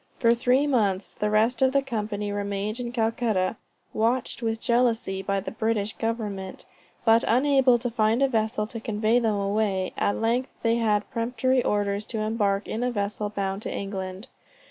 For three months the rest of their company remained in Calcutta, watched with jealousy by the British Government, but unable to find a vessel to convey them away. At length they had peremptory orders to embark in a vessel bound to England.